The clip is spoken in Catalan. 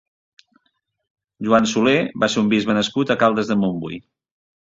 Joan Soler va ser un bisbe nascut a Caldes de Montbui.